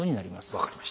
分かりました。